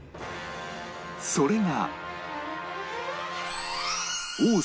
それが